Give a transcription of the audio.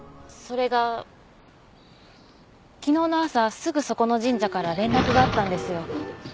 それが昨日の朝すぐそこの神社から連絡があったんですよ。